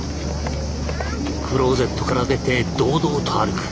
クローゼットから出て堂々と歩く。